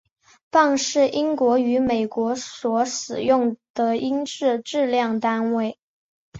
磅是英国与美国所使用的英制质量单位。